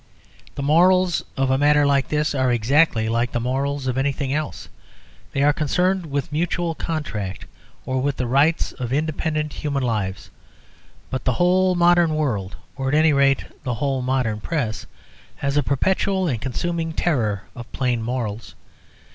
The morals of a matter like this are exactly like the morals of anything else; they are concerned with mutual contract, or with the rights of independent human lives. But the whole modern world, or at any rate the whole modern Press, has a perpetual and consuming terror of plain morals.